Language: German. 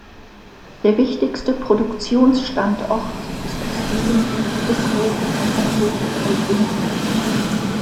Der wichtigste Produktionsstandort ist aus diesem Grund bis heute der Kanton Graubünden.